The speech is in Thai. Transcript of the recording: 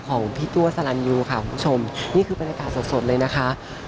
ของพี่ตัวสรรญิวค่ะคุณนี่คือบรรยากาศสดเลยนะคะ